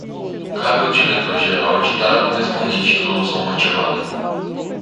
Cabe ao diretor geral ditar a correspondente resolução motivada.